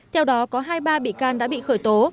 theo đó có hai mươi ba bị can đã bị khởi tố